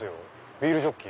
ビールジョッキ。